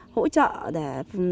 hỗ trợ để